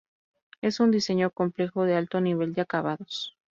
Es un diseño complejo, de alto nivel de acabados".